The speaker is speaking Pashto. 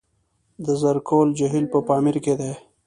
د زرکول جهیل په پامیر کې دی